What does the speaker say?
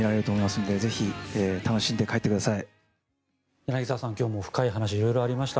柳澤さん、今日も深い話色々ありました。